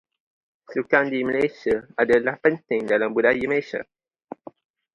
Sukan di Malaysia adalah penting dalam budaya Malaysia.